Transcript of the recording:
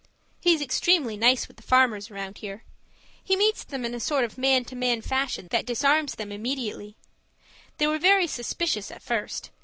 He's extremely nice with the farmers around here; he meets them in a sort of man to man fashion that disarms them immediately. They were very suspicious at first.